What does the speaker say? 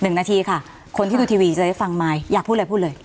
๑นาทีค่ะคนที่ดูทีวีจะได้ฟังไมค์อยากพูดเลย